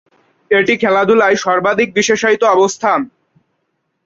এটি খেলাধুলায় সর্বাধিক বিশেষায়িত অবস্থান।